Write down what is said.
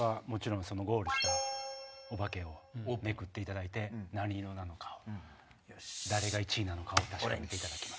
ゴールしたオバケをめくっていただいて何色なのかを誰が１位なのかを確かめていただきます。